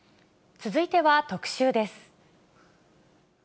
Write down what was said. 続いては特集です。